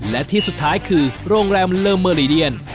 และที่สุดท้ายคือโรงแรมเลอร์เมอรีเดียน